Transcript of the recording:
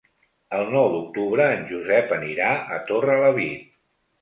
El nou d'octubre en Josep anirà a Torrelavit.